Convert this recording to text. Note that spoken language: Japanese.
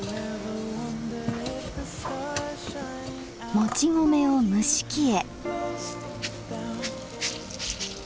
もち米を蒸し器へ。